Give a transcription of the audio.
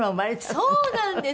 そうなんです！